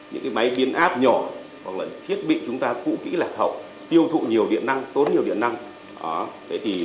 những máy biến áp nhỏ hoặc là thiết bị chúng ta cũ kỹ lạc hậu tiêu thụ nhiều điện năng tốn nhiều điện năng